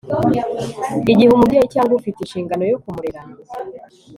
igihe umubyeyi cyangwa ufite ishingano yo kumurera